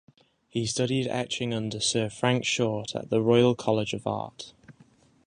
He studied etching under Sir Frank Short at the Royal College of Art.